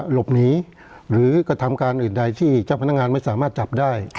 หลบหนีหรือกระทำการอื่นใดที่เจ้าพนักงานไม่สามารถจับได้